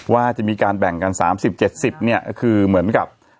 ว่าจะมีการแบ่งกัน๓๐๗๐เนี่ยก็คือเหมือนกับ